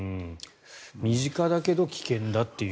身近だけど危険だという。